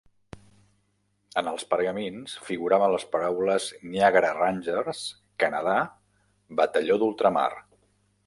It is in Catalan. En els pergamins figuraven les paraules "Niagara Rangers", "Canadà", "Batalló d'Ultramar".